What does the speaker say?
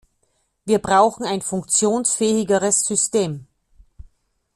Wir brauchen ein funktionsfähigeres System.